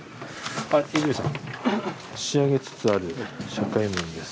泉さん仕上げつつある社会面です。